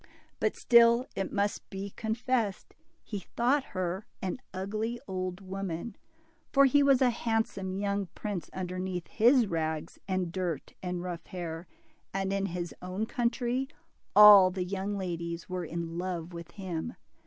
But still, it must be confessed, he thought her an ugly old woman, for he was a handsome young prince underneath his rags and dirt and rough hair. DIMPLE. 57 and in his own country, all the young ladies were in love with him.